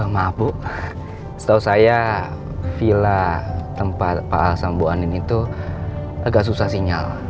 maaf bu setahu saya villa tempat pak al sam bu anin itu agak susah sinyal